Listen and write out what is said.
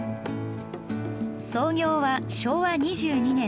創業は昭和２２年。